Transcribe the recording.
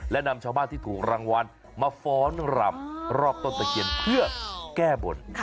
และนำชาวบ้านที่ถูกรางวัลมาฟ้อนรำรอบต้นตะเคียนเพื่อแก้บน